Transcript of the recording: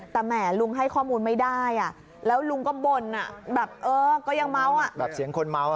แบบเออก็ยังเมาส์อะแบบเสียงคนเมาส์อะ